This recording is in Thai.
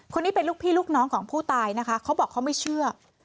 คนนี้เป็นลูกพี่ลูกน้องของผู้ตายนะคะเขาบอกเขาไม่เชื่อ